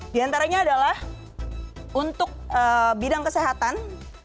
di antaranya adalah untuk bidang kesehatan